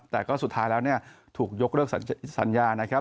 แต่ก็สุดท้ายแล้วถูกยกเลือกสัญญา